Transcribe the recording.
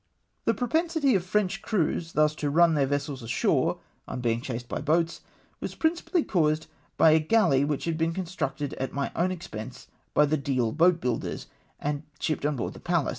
This propensity of French crews thus to run theu" vessels ashore — on bemg chased by boats — was princi pally caused by a galley which had been constructed at my o^vn expense by the Deal boatbuilders, and shipped on board the Pallas.